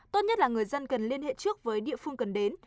tốt nhất là người dân cần liên hệ trước với địa phương cần đến